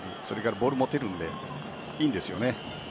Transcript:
ボールを持てるのでいいんですよね。